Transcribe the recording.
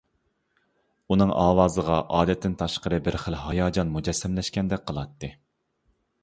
ئۇنىڭ ئاۋازىغا ئادەتتىن تاشقىرى بىر خىل ھاياجان مۇجەسسەملەشكەندەك قىلاتتى.